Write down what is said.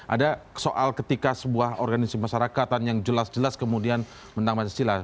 ada soal ketika sebuah organisasi masyarakat yang jelas jelas kemudian menambah istilah